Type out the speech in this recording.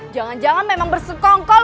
jangan jangan memang bersekongkol